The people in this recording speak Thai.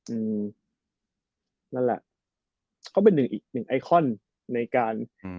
อืมนั่นแหละเขาเป็นอีกหนึ่งไอคอนในการ